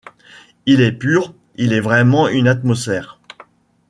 Il est pur, il est vraiment une atmosphère.